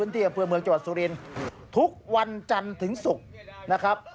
ทุกวันจันทร์ถึงศุกร์นะครับ